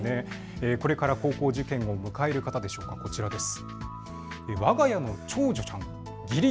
これから高校受験を迎える方でしょうか、こちらです。